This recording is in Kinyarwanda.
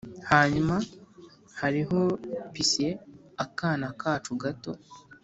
hanyuma hariho pixie akana kacu gato,